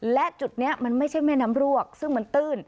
และจุดนี้มันไม่ใช่แม่น้ำรวกซึ่งมันตื้น